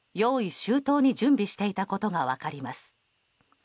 周到に準備していたことが分かります。